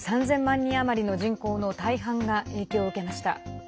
人余りの人口の大半が影響を受けました。